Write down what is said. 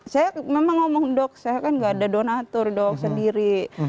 saya memang ngomong dok saya kan gak ada donatur dok sendiri